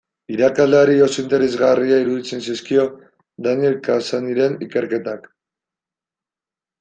Irakasleari oso interesgarria iruditzen zaizkio Daniel Cassanyren ikerketak.